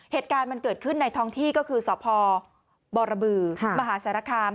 เหตุการณ์มันเกิดขึ้นในท้องที่ก็คือสพบรบือมหาสารคาม